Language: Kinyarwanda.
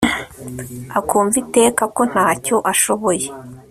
akumva iteka ko ntacyo ashoboye